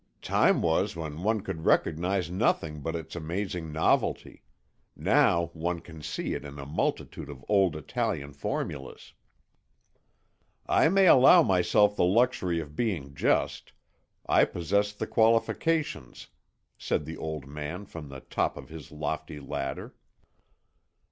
"Time was when one could recognise nothing but its amazing novelty; now one can see in it a multitude of old Italian formulas." "I may allow myself the luxury of being just, I possess the qualifications," said the old man from the top of his lofty ladder.